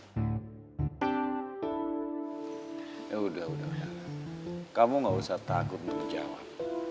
ya udah udah udah kamu nggak usah takut menjawab